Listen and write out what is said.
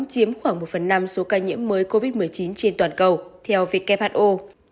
chiếm khoảng một phần năm số ca nhiễm mới covid một mươi chín trên toàn cầu theo who